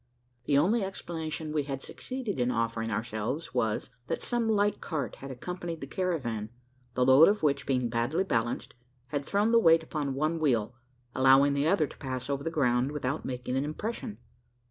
The only explanation we had succeeded in offering ourselves was: that some light cart had accompanied the caravan the load of which, being badly balanced, had thrown the weight upon one wheel, allowing the other to pass over the ground without making an impression.